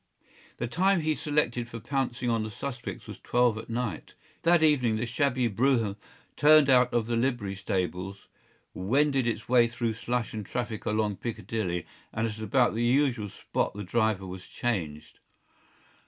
The time he selected for pouncing on the suspects was twelve at night. That evening the shabby brougham turned out of the livery stables, wended its way through slush and traffic along Piccadilly, and at about the usual spot the driver was changed.